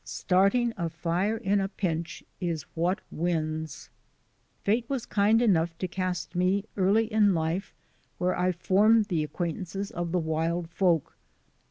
Starting a fire in a pinch is what wins. Fate was kind enough to cast me early in life where I formed the acquaintance of the wild folk.